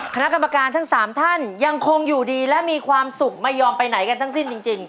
คณะกรรมการทั้ง๓ท่านยังคงอยู่ดีและมีความสุขไม่ยอมไปไหนกันทั้งสิ้นจริง